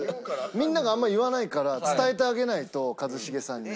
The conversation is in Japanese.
みんながあんまり言わないから伝えてあげないと一茂さんに。